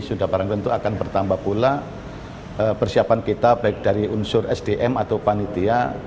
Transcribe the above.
sudah barang tentu akan bertambah pula persiapan kita baik dari unsur sdm atau panitia